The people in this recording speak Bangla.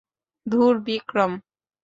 ধুর, বিক্রম!